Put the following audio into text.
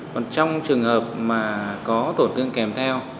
còn trong trường hợp mà có tổn thương kèm theo